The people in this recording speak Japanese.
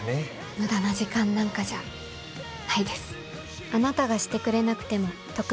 無駄な時間なんかじゃないです。